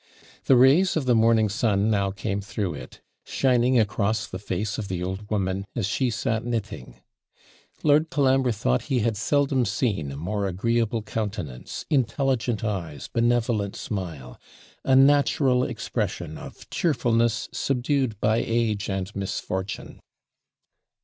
The rays of the morning sun now came through it, shining across the face of the old woman, as she sat knitting; Lord Colambre thought he had seldom seen a more agreeable countenance, intelligent eyes, benevolent smile, a natural expression of cheerfulness, subdued by age and misfortune.